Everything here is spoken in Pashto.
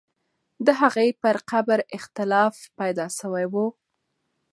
د هغې پر قبر اختلاف پیدا سوی وو.